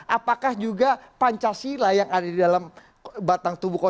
apakah juga pancasila yang ada di dalam batang tubuh korban